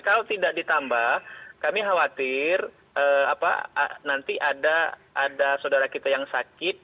kalau tidak ditambah kami khawatir nanti ada saudara kita yang sakit